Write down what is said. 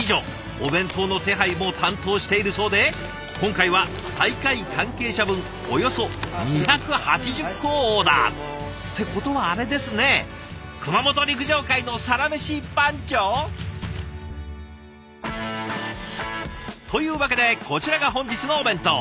お弁当の手配を担当しているそうで今回は大会関係者分およそ２８０個をオーダー。ってことはあれですね熊本陸上界のサラメシ番長？というわけでこちらが本日のお弁当。